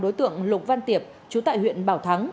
đối tượng lục văn tiệp chú tại huyện bảo thắng